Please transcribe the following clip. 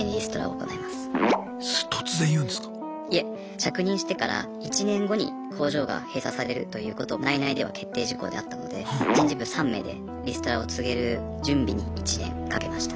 着任してから１年後に工場が閉鎖されるということを内々では決定事項であったので人事部３名でリストラを告げる準備に１年かけました。